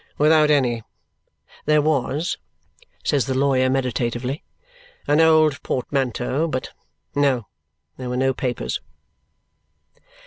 "Without any; there was," says the lawyer meditatively, "an old portmanteau, but No, there were no papers."